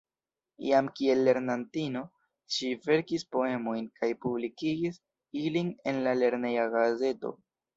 Jam kiel lernantino ŝi verkis poemojn kaj publikigis ilin en la lerneja gazeto.